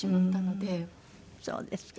そうですか。